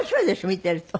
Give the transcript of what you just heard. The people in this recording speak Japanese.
見てると。